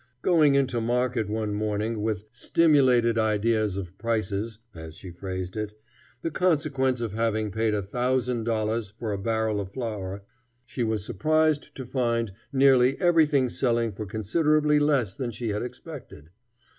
Going into market one morning with "stimulated ideas of prices," as she phrased it, the consequence of having paid a thousand dollars for a barrel of flour, she was surprised to find nearly everything selling for considerably less than she had expected.